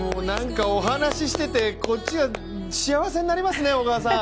何かお話していてこっちが幸せになりますね。